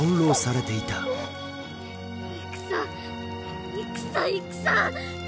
戦戦戦！